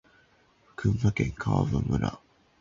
群馬県川場村